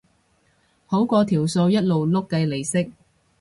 好過條數一路碌計利息